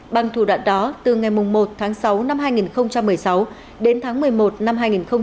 bằng thủ đoạn đó từ ngày một tháng sáu năm hai nghìn một mươi sáu đến tháng một mươi một năm hai nghìn một mươi tám